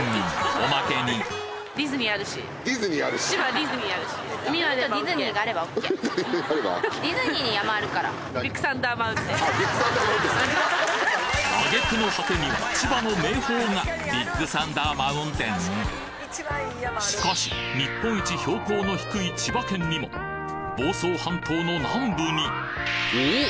おまけに挙句の果てにはしかし日本一標高の低い千葉県にも房総半島の南部におっ！